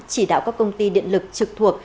chỉ đạo các công ty điện lực trực thuộc